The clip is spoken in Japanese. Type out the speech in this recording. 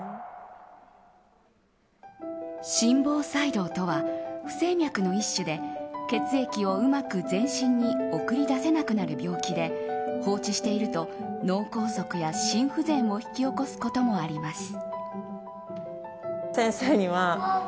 心房細動とは、不整脈の一種で血液をうまく全身に送り出せなくなる病気で放置していると脳梗塞や心不全を引き起こすこともあります。